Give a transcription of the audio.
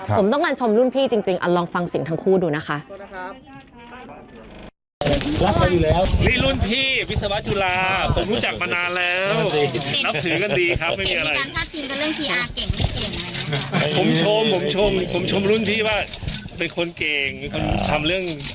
คนมองแบบว่าเป็นคาราคาเป็นการเสดง